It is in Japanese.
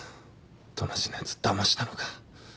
音無のやつだましたのか。